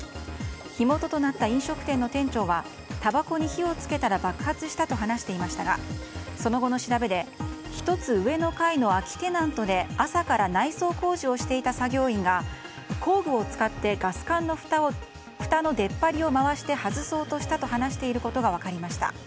火元となった飲食店の店長はたばこに火を付けたら爆発したと話していましたがその後の調べで１つ上の階の空きテナントで朝から内装工事をしていた作業員が工具を使ってガス管のふたの出っ張りを外して回そうとしたと話していることが分かりました。